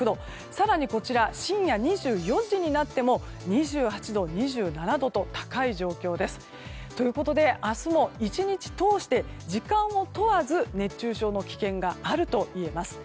更に深夜２４時になっても２８度、２７度と高い状況です。ということで明日も１日通して時間を問わず熱中症の危険があるといえます。